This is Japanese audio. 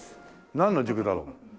なんの塾だろう？